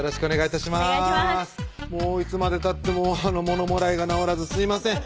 いつまでたってもものもらいが治らずすいません